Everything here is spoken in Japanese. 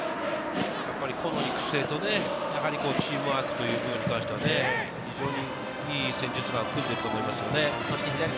個の育成とチームワークということに関しては非常にいい戦術眼を持っていると思います。